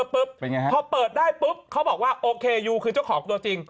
พอเปิดได้ปุ๊บเขาบอกว่าโอเคยูคือเจ้าของตัวจริง